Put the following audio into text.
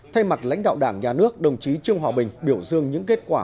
thay mặt lãnh đạo đảng nhà nước đồng chí trương hòa bình biểu dương những kết quả